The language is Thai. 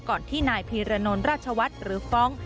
ก่อนที่นายพีระนนท์ราชวัฒน์หรือฟ้อง